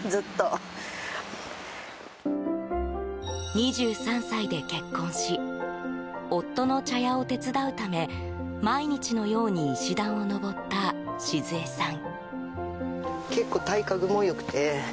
２３歳で結婚し夫の茶屋を手伝うため毎日のように石段を登った静恵さん。